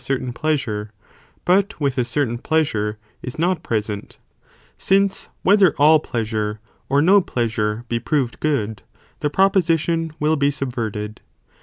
tain pleasure, but with a certain (pleasure) is not present, since whether all pleasure, or no pleasure, be proved good, the proposition will be subverted.